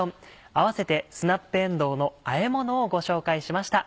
併せてスナップえんどうのあえ物をご紹介しました。